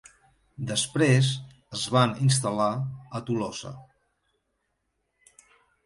Després es van instal·lar a Tolosa.